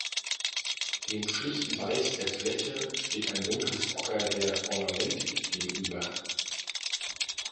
Dem schlichten Weiß der Fläche steht en dunkles Ocker der Ornamentik gegenüber.